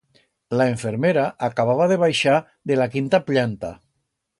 La enfermera acababa de baixar de la quinta pllanta.